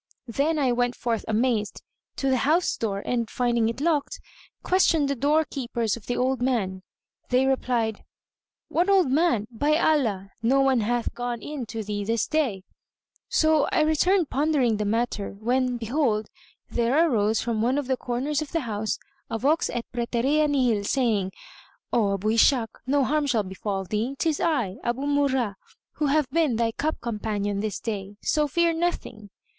Then I went forth amazed, to the house door and, finding it locked, questioned the doorkeepers of the old man. They replied, "What old man? By Allah, no one hath gone in to thee this day!" So I returned pondering the matter, when, behold, there arose from one of the corners of the house, a Vox et præterea nihil, saying, "O Abu Ishak, no harm shall befal thee. 'Tis I, Abú Murrah,[FN#123] who have been thy cup companion this day, so fear nothing!"